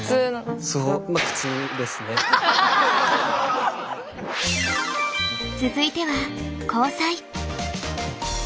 そう続いては「交際」。